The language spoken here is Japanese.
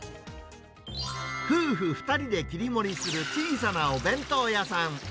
夫婦２人で切り盛りする小さなお弁当屋さん。